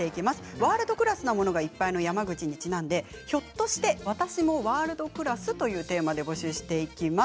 ワールドクラスなものがいっぱいの山口にちなんでひょっとして私もワールドクラス？というテーマで募集していきます。